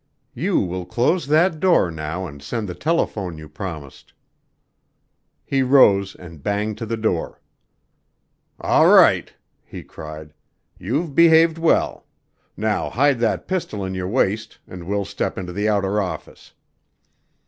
"You will close that door now and send the telephone you promised." He rose and banged to the door. "All right," he cried. "You've behaved well. Now hide that pistol in your waist and we'll step into the outer office."